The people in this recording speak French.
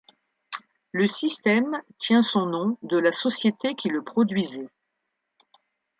Le système tient son nom de la société qui le produisait.